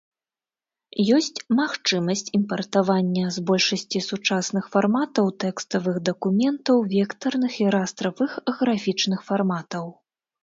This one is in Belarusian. Ёсць магчымасць імпартавання з большасці сучасных фарматаў тэкставых дакументаў, вектарных і растравых графічных фарматаў.